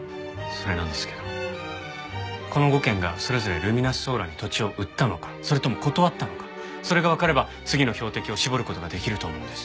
それなんですけどこの５軒がそれぞれルミナスソーラーに土地を売ったのかそれとも断ったのかそれがわかれば次の標的を絞る事ができると思うんです。